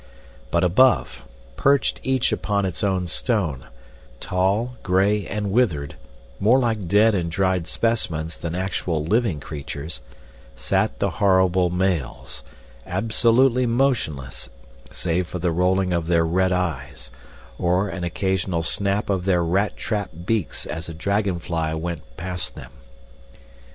But above, perched each upon its own stone, tall, gray, and withered, more like dead and dried specimens than actual living creatures, sat the horrible males, absolutely motionless save for the rolling of their red eyes or an occasional snap of their rat trap beaks as a dragon fly went past them.